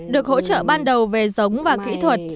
được hỗ trợ ban đầu về giống và kỹ thuật